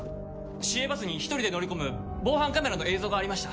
市営バスに１人で乗り込む防犯カメラの映像がありました。